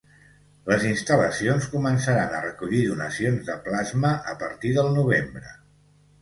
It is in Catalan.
Les instal·lacions començaran a recollir donacions de plasma a partir del novembre.